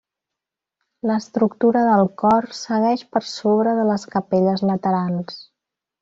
L'estructura del cor segueix per sobre de les capelles laterals.